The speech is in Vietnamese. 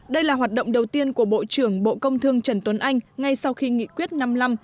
đây là hoạt động đầu tiên của bộ trưởng bộ công thương trần tuấn anh ngay sau khi nghị quyết năm mươi năm